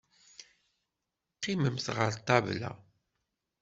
Qqimemt ɣer ṭṭabla.